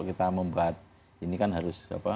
kita membuat ini kan harus